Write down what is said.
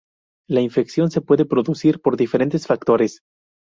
La infección se puede producir por diferentes factores.